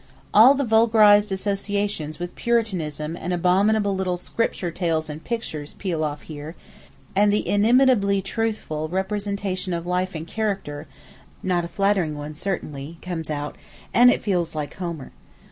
All the vulgarized associations with Puritanism and abominable little 'Scripture tales and pictures' peel off here, and the inimitably truthful representation of life and character—not a flattering one certainly—comes out, and it feels like Homer.